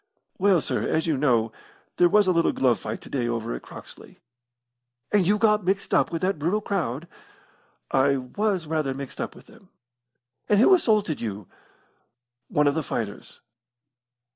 "Well, sir, as you know, there was a little glove fight to day over at Croxley." "And you got mixed up with that brutal crowd?" "I was rather mixed up with them." "And who assaulted you?" "One of the fighters."